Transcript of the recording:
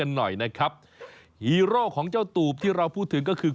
ฮีโร่ของเจ้าตเปลี่ยนที่เราพูดถึงก็คือ